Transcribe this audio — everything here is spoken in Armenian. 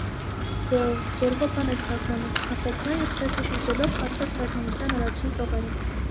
Բո՜, զոռբա բան ես թարգմանում,- ասաց նա և, թերթը շրջելով, կարդաց թարգմանության առաջին տողերը: